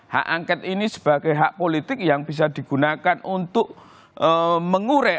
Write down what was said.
hak angket ini sebagai hak politik yang bisa digunakan untuk mengurai